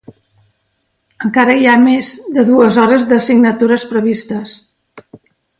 Encara hi ha més de dues hores de signatures previstes.